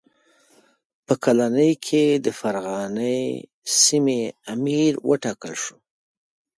په کلنۍ کې د فرغانې سیمې امیر وټاکل شو.